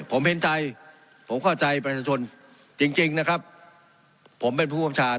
ผมเห็นใจผมเข้าใจประชาชนจริงจริงนะครับผมเป็นผู้กำชา